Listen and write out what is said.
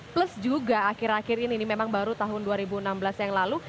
plus juga akhir akhir ini memang baru tahun dua ribu enam belas yang lalu